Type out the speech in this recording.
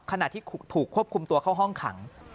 ขณะที่ถูกควบคุมตัวเข้าห้องขัง